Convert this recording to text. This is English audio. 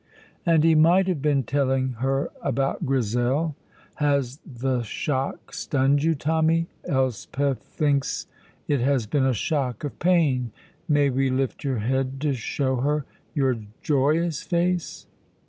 And he might have been telling her about Grizel! Has the shock stunned you, Tommy? Elspeth thinks it has been a shock of pain. May we lift your head to show her your joyous face?